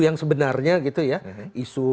yang sebenarnya gitu ya isu